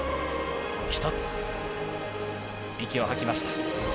一つ、息を吐きました。